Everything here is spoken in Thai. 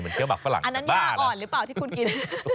เหมือนเกลือบักฝรั่งบ้านะอันนั้นยาอ่อนหรือเปล่าที่คุณกิน